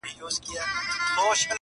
کښتۍ وان ویل مُلا لامبو دي زده ده؟٫